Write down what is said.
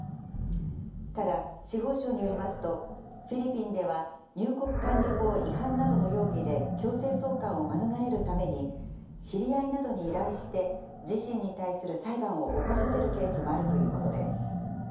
ただ、司法省によりますと、フィリピンでは入国管理法違反などの容疑で強制送還を免れるために、知り合いなどに依頼して、自身に対する裁判を起こさせるケースもあるということです。